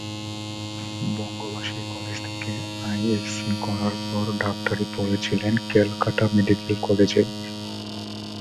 বঙ্গবাসী college থেকে ISc করার পর ডাক্তারি পড়েছিলেন ক্যালকাটা মেডিকেল কলেজে।